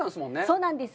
そうなんです。